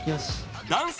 男性